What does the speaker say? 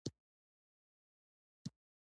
د جاذبې قوه جسمونه د ځمکې پر مخ ساتي.